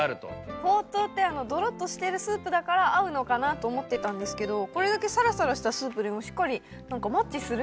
ほうとうってあのドロっとしてるスープだから合うのかなと思ってたんですけどこれだけさらさらしたスープでもしっかりマッチするんですね。